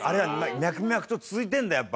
脈々と続いてんだやっぱ。